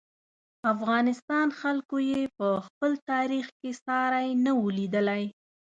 افغانستان خلکو یې په خپل تاریخ کې ساری نه و لیدلی.